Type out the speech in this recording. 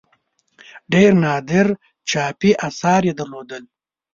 ډېر نادر چاپي آثار یې درلودل.